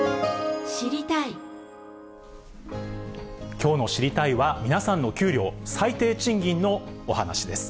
きょうの知りたいッ！は、皆さんの給料、最低賃金のお話です。